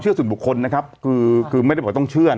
ใช่ไม่เราก็เลขไปตรวจ